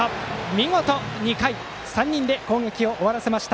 見事、２回３人で攻撃を終わらせました。